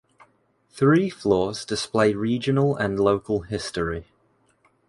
Three floors display regional and local history.